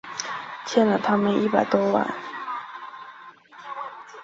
欠了他们一百多万